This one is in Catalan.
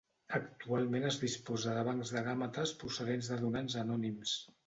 Actualment es disposa de bancs de gàmetes procedents de donants anònims.